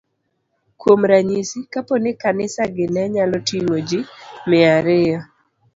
Kuom ranyisi, kapo ni kanisagi ne nyalo ting'o ji mia ariyo,